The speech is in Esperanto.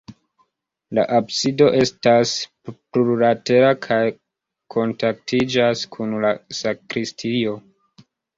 La absido estas plurlatera kaj kontaktiĝas kun la sakristio.